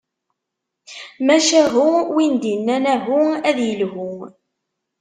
Macahu, win d-innan ahu, ad ilhu.